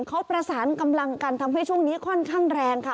เขาประสานกำลังกันทำให้ช่วงนี้ค่อนข้างแรงค่ะ